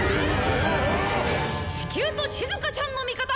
地球としずかちゃんの味方！